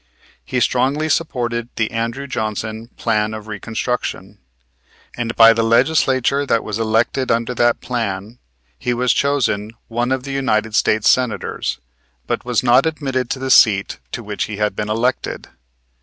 He strongly supported the Andrew Johnson plan of Reconstruction, and by the Legislature that was elected under that plan he was chosen one of the United States Senators, but was not admitted to the seat to which he had been elected.